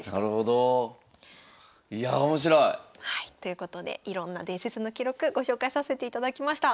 いや面白い！ということでいろんな伝説の記録ご紹介させていただきました。